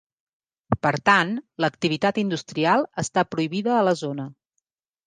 Per tant, l'activitat industrial està prohibida a la zona.